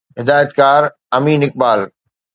هدايتڪار امين اقبال